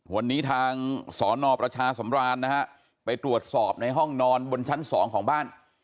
วันนี้ทางสนประชาสำราญนะฮะไปตรวจสอบในห้องนอนบนชั้น๒ของบ้าน